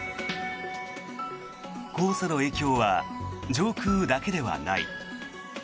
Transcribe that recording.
黄砂の影響は上空だけではない。